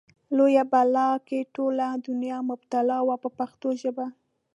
لویه بلا کې ټوله دنیا مبتلا وه په پښتو ژبه.